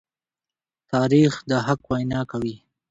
تاریخ د حق وینا کوي.